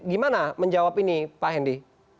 gimana menjawab ini pak hendy